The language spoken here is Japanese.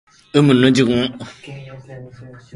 う ｍ ぬ ｊｎ